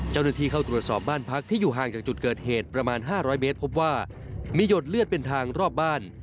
เจ้าหน้าที่เข้าตรวจสอบบ้านพักที่อยู่ห่างจากจุดเกิดเหตุประมาณ๕๐๐เมตรพบว่ามีหยดเลือดเป็นทางรอบบ้าน